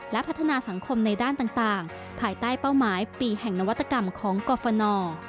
และพัฒนาสังคมในด้านต่างภายใต้เป้าหมายปีแห่งนวัตกรรมของกรฟน